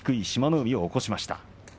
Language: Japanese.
海を起こしました。